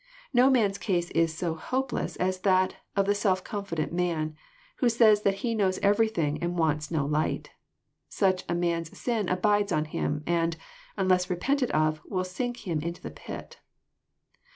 No man's case is so hopeless as that of the self confident man, who says that he knows everything, and wants no light. Such a man's sin abides on him, and, unless repented of, will sink him into the pit.